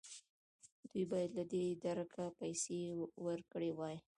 دوی باید له دې درکه پیسې ورکړې وای.